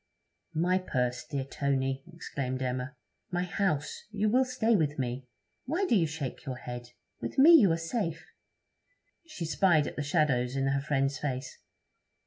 'My purse, dear Tony!' exclaimed Emma. 'My house! You will stay with me? Why do you shake your head? With me you are safe.' She spied at the shadows in her friend's face.